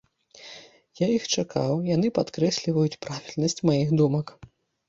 Я іх чакаў, яны падкрэсліваюць правільнасць маіх думак.